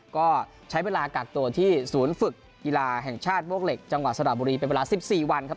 ก็ใช้เวลากักตัวที่ศูนย์ฝึกกีฬาแห่งชาติมวกเหล็กจังหวัดสระบุรีเป็นเวลา๑๔วันครับ